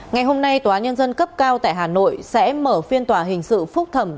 ngày hôm nay tòa nhân dân cấp cao tại hà nội sẽ mở phiên tòa hình sự phúc thẩm